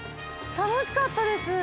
楽しかったです！